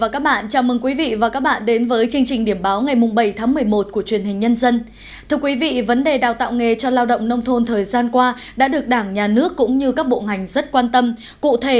các bạn hãy đăng ký kênh để ủng hộ kênh của chúng mình nhé